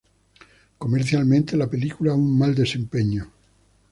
Comercialmente, la película un mal desempeño.